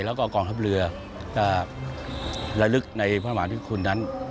แล้วก็กองทัพเรือก็ระลึกในพระมหาธิคุณนั้น